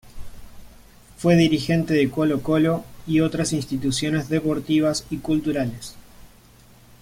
Fue dirigente de Colo-Colo y otras instituciones deportivas y culturales.